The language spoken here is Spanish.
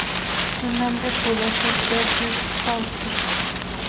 Su nombre pudo ser Georgius Faustus.